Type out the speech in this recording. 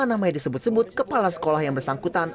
karena namanya disebut sebut kepala sekolah yang bersangkutan